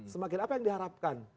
semakin apa yang diharapkan